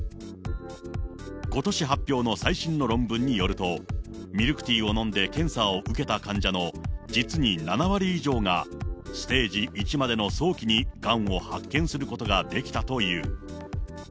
ことし発表の最新の論文によると、ミルクティーを飲んで検査を受けた患者の実に７割以上がステージ１までの早期にがんを発見することができたという。